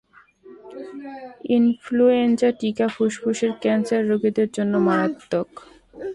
Influenza টিকা ফুসফুসের cancer রোগীদের জন্য মারাত্মক।